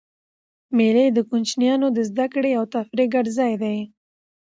مېلې د کوچنيانو د زدهکړي او تفریح ګډ ځای دئ.